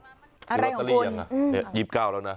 โอ้วแล้วมร้อตเตอลี่ยังยืบก้าวแล้วนะ